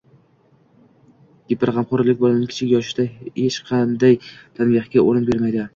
Giperg‘amxo‘rlik bolaning kichik yoshida hech qanday tanbehga o‘rin bermaydi.